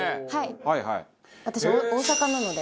私大阪なので。